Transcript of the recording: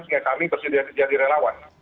sehingga kami tersedia menjadi relawan